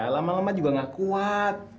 lama lama juga gak kuat